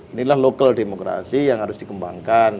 inilah lokal demokrasi yang harus dikembangkan